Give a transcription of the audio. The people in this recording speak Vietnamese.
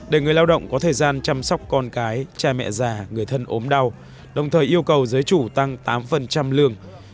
để người lao động có thời gian chăm sóc con cái cha mẹ già người thân ốm đau đồng thời yêu cầu giới chủ tăng tám lương